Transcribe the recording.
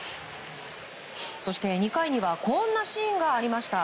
そして２回にはこんなシーンがありました。